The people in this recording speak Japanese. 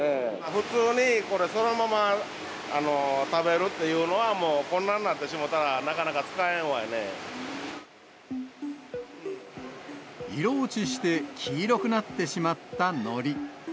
普通にこれ、そのまま食べるっていうのは、もうこんなんになってしまったら、色落ちして黄色くなってしまったのり。